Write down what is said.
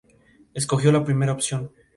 Escogió la primera opción.